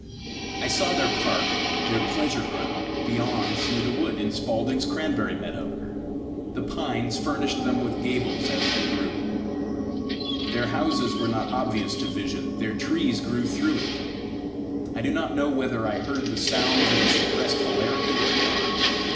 I saw their park, their pleasure ground, beyond through the wood, in Spaulding's cranberry meadow. The pines furnished them with gables as they grew. Their house was not obvious to vision; their trees grew through it. I do not know whether I heard the sounds of a suppressed hilarity or not.